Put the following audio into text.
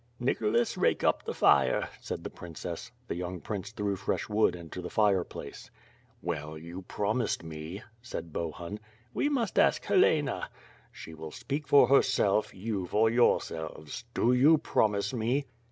"Nicholas, rake up the fire," said the princess. The young prince threw fresh wood into the fire place. "Well, you promised me," said Bohun. "We must ask Helena." "She will speak for herself, you for yourselves. Do you promise me?"